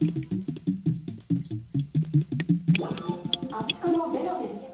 アシカのベロです。